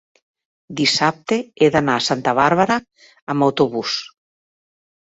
dissabte he d'anar a Santa Bàrbara amb autobús.